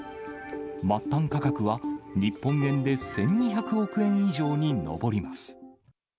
末端価格は日本円で１２００億円以上に上ります。